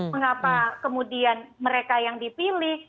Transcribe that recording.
mengapa kemudian mereka yang dipilih